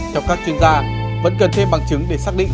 theo các chuyên gia vẫn cần thêm bằng chứng để xác định